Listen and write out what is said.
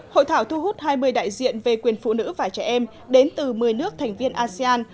hội thảo thu hút hai mươi đại diện về quyền phụ nữ và trẻ em đến từ một mươi nước thành viên asean